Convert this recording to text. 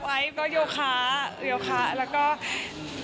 วันนี้สุดท้ายเป็นใครที่จะถูกชเป็นและจัดการและดูขอบรรชาเยอะคุณค่ะ